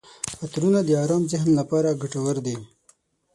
عطرونه د ارام ذهن لپاره ګټور دي.